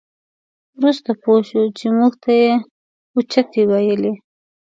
وروسته پوه شوو چې موږ ته یې اوچتې ویلې.